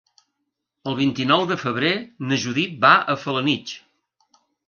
El vint-i-nou de febrer na Judit va a Felanitx.